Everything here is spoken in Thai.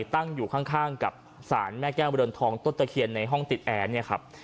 ตั้งอยู่ข้างกับสารแม่แก้วบริเวณทองต้นตะเคียนในห้องติดแอร์เนี่ยครับ